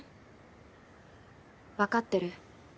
わかってる？